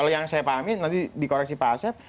yang saya pahami nanti dikoreksi pak asep